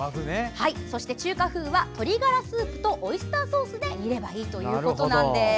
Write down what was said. そして中華風は、鶏がらスープとオイスターソースで煮ればいいということです。